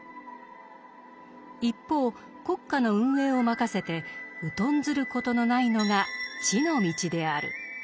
一方国家の運営を任せて疎んずることのないのが地の道である。